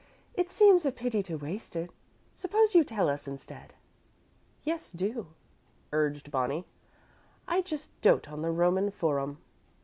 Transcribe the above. "It seems a pity to waste it. Suppose you tell it to us instead." "Yes, do," urged Bonnie. "I just dote on the Roman Forum."